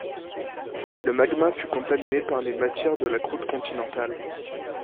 Le magma fut contaminé par les matières de la croûte continentale.